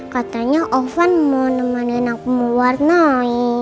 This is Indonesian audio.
katanya ovan mau nemenin aku mau warnai